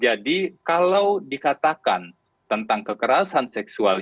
jadi kalau dikatakan tentang kekerasan seksual